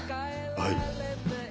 はい。